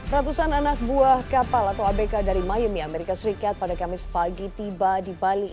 ratusan anak buah kapal atau abk dari miami amerika serikat pada kamis pagi tiba di bali